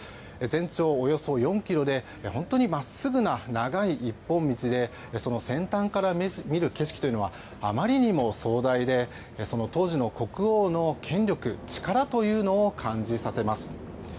全長およそ４ｋｍで本当に真っすぐな、長い一本道でその先端から見る景色はあまりにも壮大でその当時の国王の権力、力を感じさせます。